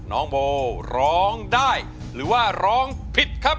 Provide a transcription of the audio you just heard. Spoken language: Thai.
น้องโบร้องได้หรือว่าร้องผิดครับ